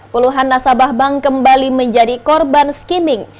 puluhan nasabah bank kembali menjadi korban skimming